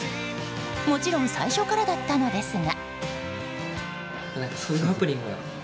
もちろん最初からだったのですが。